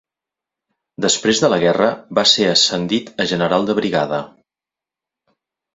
Després de la guerra, va ser ascendit a general de brigada.